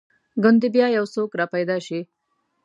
ګوندې بیا یو څوک را پیدا شي.